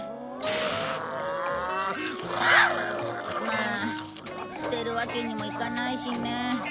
まあ捨てるわけにもいかないしね。